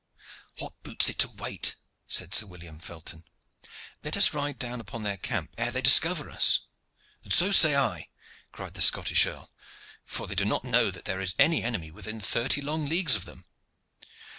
"What boots it to wait?" said Sir William Felton. "Let us ride down upon their camp ere they discover us." "And so say I," cried the Scottish earl; "for they do not know that there is any enemy within thirty long leagues of them."